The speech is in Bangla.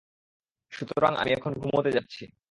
সুতরাং, আমি এখন ঘুমোতে যাচ্ছি।